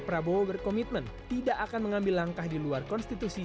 prabowo berkomitmen tidak akan mengambil langkah di luar konstitusi